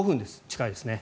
近いですね。